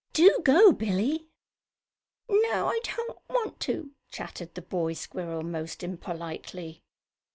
"Do go, Billie." "No, I don't want to!" chattered the boy squirrel, most impolitely.